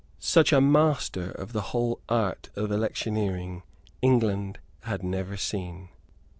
Such a master of the whole art of electioneering England had never seen.